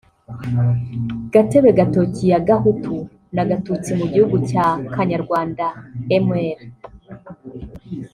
Gatebegatoki ya Gahutu na Gatutsi mu Gihugu cya Kanyarwanda”-Mr